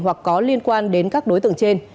hoặc có liên quan đến các đối tượng trên